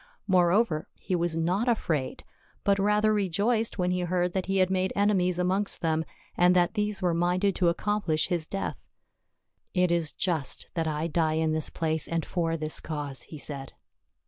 Moreover, he was not afraid, but the rather rejoiced when he heard that he had made enemies amongst them, and that these were minded to accomplish his death. " It is just that I die in this place and for this cause," he said.